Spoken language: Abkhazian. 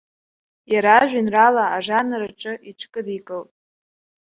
Иара ажәеинраала ажанр аҿы иҽкыдикылт.